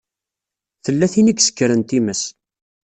Tella tin i isekren times.